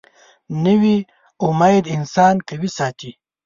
نوې امید انسان قوي ساتي